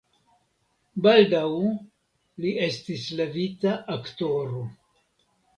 Baldaŭ li estis levita aktoro.